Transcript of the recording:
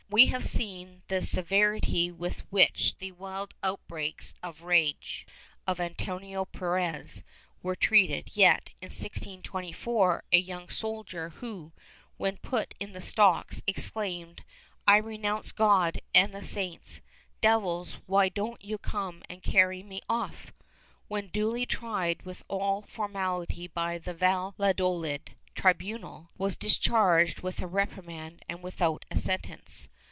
We have seen the severity with which the wild outbursts of rage of Antonio Perez were treated, yet, in 1624, a young soldier who, when put in the stocks, exclaimed "I renounce God and the saints; devils why don't you come and carry me off?" when duly tried with all formality by the Valladolid tribunal, was discharged with a reprimand and without a sentence.